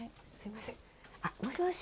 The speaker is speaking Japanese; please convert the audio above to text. あっもしもし。